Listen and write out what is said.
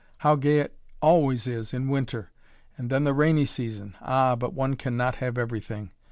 How gay it always is in winter and then the rainy season. Ah! but one can not have everything.